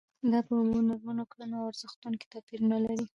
دا په اوبو، نورمونو، کړنو او ارزښتونو کې توپیرونه دي.